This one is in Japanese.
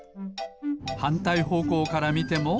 はんたいほうこうからみても。